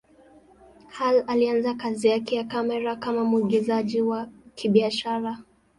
Hall alianza kazi yake ya kamera kama mwigizaji wa kibiashara.